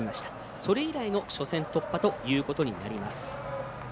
それ以来の初戦突破ということになります。